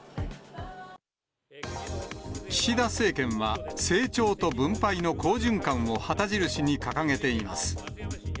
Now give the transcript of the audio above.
岸田政権は、成長と分配の好循環を旗印に掲げています。